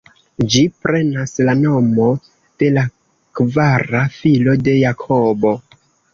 Ĝi prenas la nomo de la kvara filo de Jakobo.